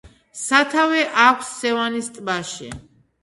სათავე აქვს სევანის ტბაში.